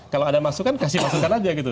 kalau ada masukan kasih masukan aja gitu